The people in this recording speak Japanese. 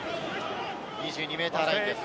２２ｍラインです。